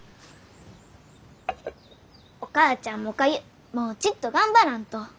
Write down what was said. お母ちゃんもおかゆもうちっと頑張らんと。